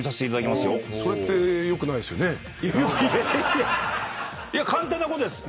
いやいや簡単なことです。